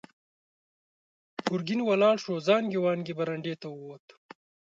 ګرګين ولاړ شو، زانګې وانګې برنډې ته ووت.